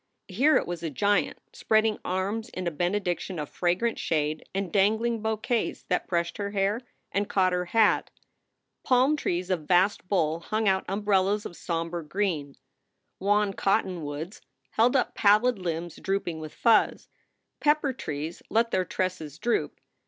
Here it was a giant, spreading arms in a benediction of fragrant shade and dangling bouquets that brushed her hair and caught her hat. Palm trees of vast bole hung out umbrellas of somber green. Wan cottonwoods held up pallid limbs drooping with fuzz. Pepper trees let their tresses droop.